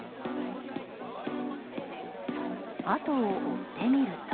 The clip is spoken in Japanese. あとを追ってみると。